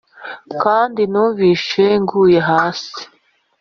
kandi numvise nguye hasi